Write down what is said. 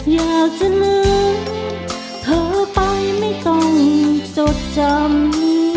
อยากจะลืมเธอไปไม่ต้องจดจำ